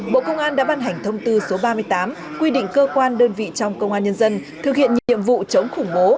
bộ công an đã ban hành thông tư số ba mươi tám quy định cơ quan đơn vị trong công an nhân dân thực hiện nhiệm vụ chống khủng bố